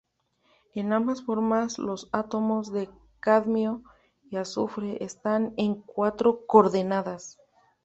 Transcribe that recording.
En ambas formas los átomos de cadmio y azufre están en cuatro coordenadas.